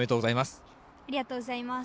おめでとうございます。